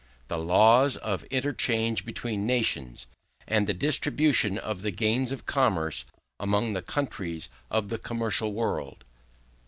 OF THE LAWS OF INTERCHANGE BETWEEN NATIONS; AND THE DISTRIBUTION OF THE GAINS OF COMMERCE AMONG THE COUNTRIES OF THE COMMERCIAL WORLD.